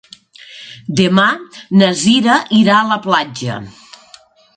Demà na Cira irà a la platja.